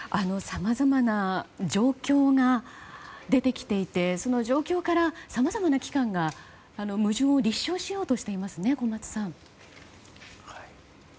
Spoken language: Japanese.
さまざまな状況が出てきていてその状況からさまざまな機関が矛盾を立証しようとしています。